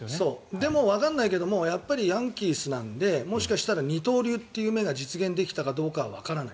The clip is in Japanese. でもわからないけどもしかしたら二刀流という芽が実現できたかどうかはわからない。